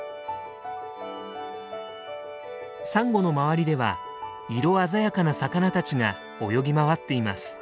サンゴの周りでは色鮮やかな魚たちが泳ぎ回っています。